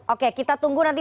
oke kita tunggu nanti